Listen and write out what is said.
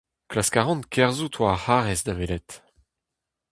Klask a ran kerzhout war ar c'harrez da welout.